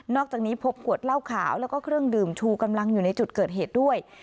อกจากนี้พบขวดเหล้าขาวแล้วก็เครื่องดื่มชูกำลังอยู่ในจุดเกิดเหตุด้วย